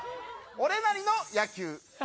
俺なりの野球。